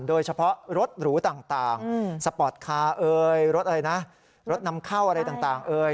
โดยเฉพาะรถหรูต่างสปอร์ตคาร์รถนำเข้าอะไรต่าง